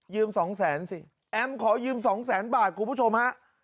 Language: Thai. สองแสนสิแอมขอยืมสองแสนบาทคุณผู้ชมฮะ